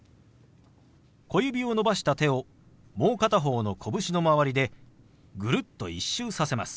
小指を伸ばした手をもう片方の拳の周りでぐるっと１周させます。